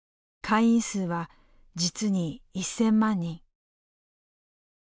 会員数は実に１，０００万人。